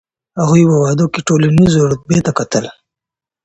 هغوی په واده کي ټولنیزې رتبې ته کتل.